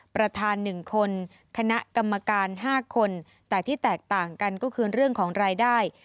ประธาน๑คนคณะกรรมการ๕คนแต่ที่แตกต่างกันก็คือเรื่องของรายได้